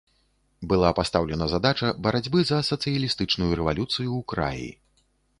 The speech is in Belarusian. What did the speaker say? Была пастаўлена задача барацьбы за сацыялістычную рэвалюцыю ў краі.